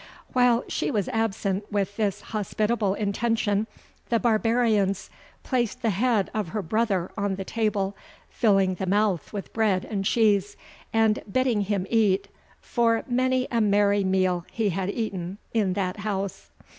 While she was absent with this hospitable intention, the barbarians placed the head of her brother on the table, filling the mouth with bread and cheese, and bidding him eat, for many a merry meal he had eaten in that house.